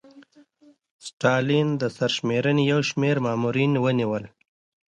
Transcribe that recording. ستالین د سرشمېرنې یو شمېر مامورین ونیول